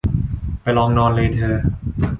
ไปลองนอนเลยเธอ